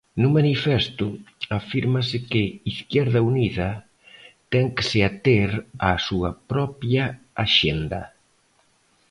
No manifesto afírmase que Izquierda Unida ten que se ater á súa propia axenda.